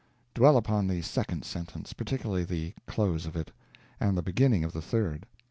Dwell upon the second sentence (particularly the close of it) and the beginning of the third.